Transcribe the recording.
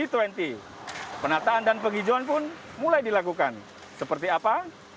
penataan dan penghijauan pun mulai dilakukan seperti apa